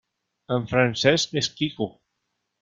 En Francesc és quico.